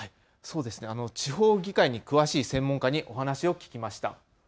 地方議会に詳しい専門家にお話を聞きました。